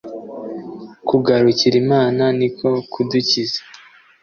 kugarukira imana ni ko kudukiza